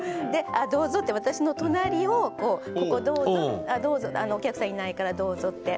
あどうぞって私の隣をこうここどうぞお客さんいないからどうぞって。